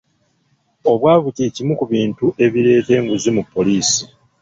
Obwavu kye kimu ku bintu ebireeta enguzi mu poliisi.